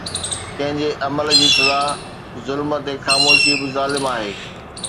ڪنهن جي عمل جي سزا، ظلم تي خاموشي به ظلم آهي